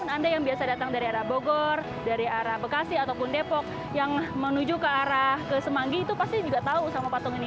anda yang biasa datang dari arah bogor dari arah bekasi ataupun depok yang menuju ke arah ke semanggi itu pasti juga tahu sama patung ini